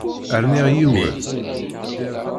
Rniɣ yiwen.